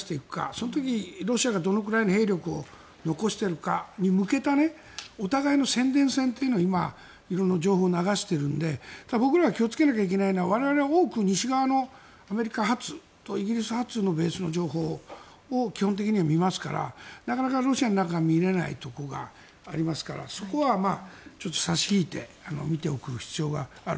その時にロシアがどのくらいの兵力を残しているかに向けたお互いの宣伝戦というのを今、色んな情報を流しているので僕らは気をつけないといけないのは我々は多く、西側の、アメリカ発イギリス発のベースの情報を基本的には見ますからなかなかロシアの中が見れないところがありますからそこは差し引いて見ておく必要がある。